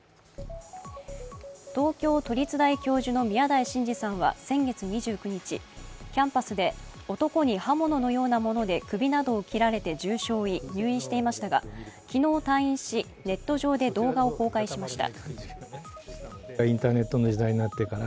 東京都立大教授の宮台真司さんは先月２９日キャンパスで男に刃物のようなもので首などを切られて重傷を負い入院していましたが昨日退院しネット上で動画を公開しました。